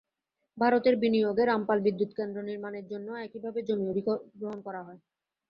ভারতের বিনিয়োগে রামপাল বিদ্যুৎকেন্দ্র নির্মাণের জন্যও একইভাবে জমি অধিগ্রহণ করা হয়।